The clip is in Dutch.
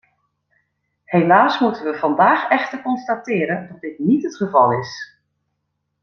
Helaas moeten we vandaag echter constateren dat dit niet het geval is.